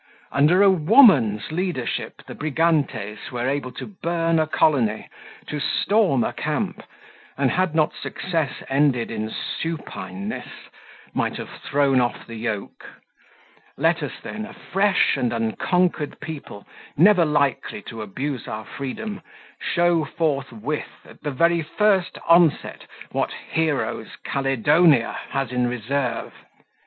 Under a woman's leadership the Brigantes were able to burn a colony, to storm a camp, and had not success ended in supineness, might have thrown off the yoke. Let us, then, a fresh and unconquered people, never likely to abuse our freedom, show forthwith at the very first onset what heroes Caledonia has in reserve.